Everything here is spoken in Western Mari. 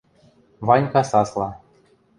— Ванька сасла.